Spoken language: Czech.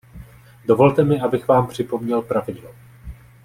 Dovolte mi, abych vám připomněl pravidlo.